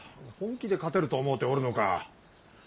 本気で勝てると思うておるのか。